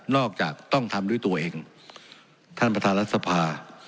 นอกจากต้องทำด้วยตัวเองท่านประธานาศาสตร์ภาพ